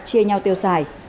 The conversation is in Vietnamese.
chia nhau tiêu xài